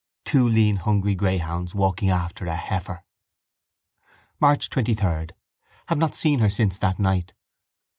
Two lean hungry greyhounds walking after a heifer. March 23. Have not seen her since that night.